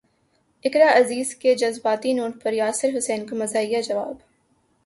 اقرا عزیز کے جذباتی نوٹ پر یاسر حسین کا مزاحیہ جواب